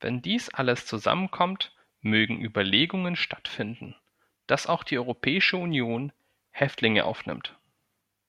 Wenn dies alles zusammenkommt, mögen Überlegungen stattfinden, dass auch die Europäische Union Häftlinge aufnimmt.